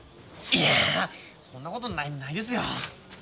いやそんなことないですよ。